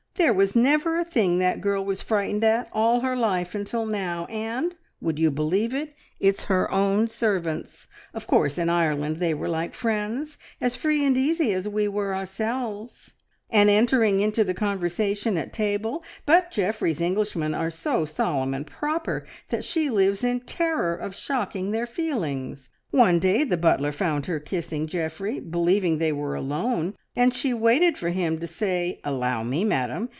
"There was never a thing that girl was frightened at, all her life, until now, and, would you believe it? it's her own servants! Of course in Ireland they were like friends, as free and easy as we were ourselves, and entering into the conversation at table; but Geoffrey's Englishmen are so solemn and proper that she lives in terror of shocking their feelings. One day the butler found her kissing Geoffrey, believing they were alone, and she waited for him to say, `Allow me, madam!'